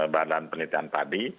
badan penelitian tadi